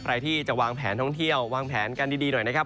ใครที่จะวางแผนท่องเที่ยววางแผนกันดีหน่อยนะครับ